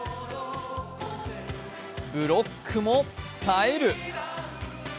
ブロックも冴える。